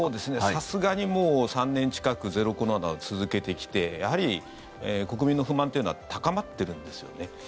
さすがにもう３年近くゼロコロナを続けてきてやはり国民の不満というのは高まっているんですよね。